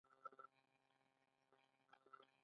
اراکوزیا د کندهار پخوانی نوم و